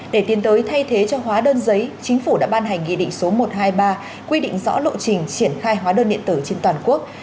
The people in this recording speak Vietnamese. để tiến tới thay thế cho hóa đơn giấy chính phủ đã ban hành nghị định số một trăm hai mươi ba quy định rõ lộ trình triển khai hóa đơn điện tử trên toàn quốc